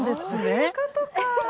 そういうことか。